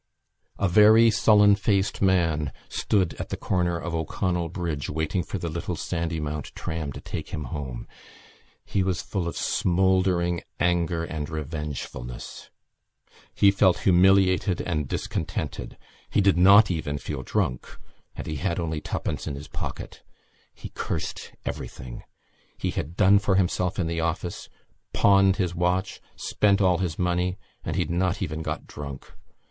A very sullen faced man stood at the corner of O'Connell Bridge waiting for the little Sandymount tram to take him home. He was full of smouldering anger and revengefulness. He felt humiliated and discontented; he did not even feel drunk; and he had only twopence in his pocket. He cursed everything. He had done for himself in the office, pawned his watch, spent all his money; and he had not even got drunk.